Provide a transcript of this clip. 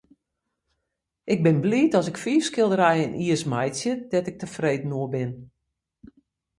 Ik bin bliid as ik fiif skilderijen jiers meitsje dêr't ik tefreden oer bin.